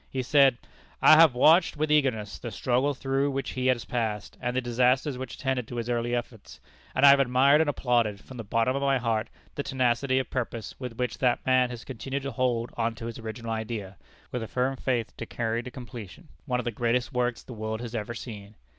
He said: "I have watched with eagerness the struggle through which he has passed and the disasters which attended his early efforts; and I have admired and applauded, from the bottom of my heart, the tenacity of purpose with which that man has continued to hold on to his original idea, with a firm faith to carry to completion one of the greatest works the world has ever seen."